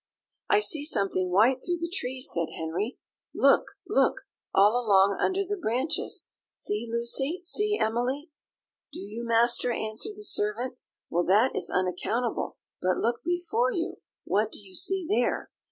"I see something white through the trees," said Henry; "look, look, all along under the branches see, Lucy see, Emily!" "Do you, master?" answered the servant; "well, that is unaccountable; but look before you what do you see there?"